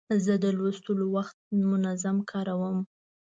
زه د لوستلو وخت منظم کاروم.